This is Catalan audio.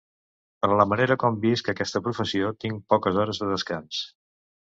Per la manera com visc aquesta professió, tinc poques hores de descans.